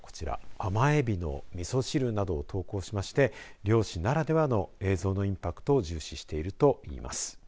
甘えびのみそ汁などを投稿しまして漁師ならではの映像のインパクトを重視していると言います。